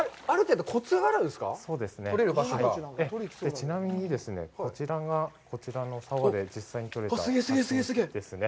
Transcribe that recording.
ちなみに、こちらがこちらの沢で実際に採れた砂金ですね。